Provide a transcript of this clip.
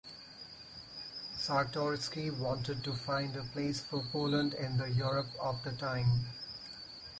Czartoryski wanted to find a place for Poland in the Europe of the time.